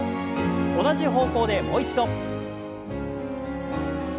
同じ方向でもう一度。